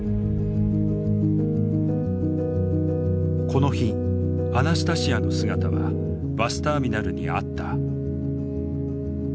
この日アナスタシヤの姿はバスターミナルにあった。